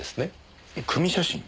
組み写真？